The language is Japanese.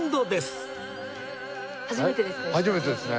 初めてですね。